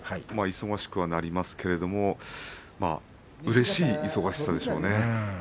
忙しくはなりますけれどうれしい忙しさですよね。